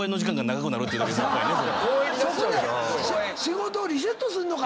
そこで仕事をリセットすんのか。